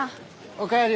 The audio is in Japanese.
お帰り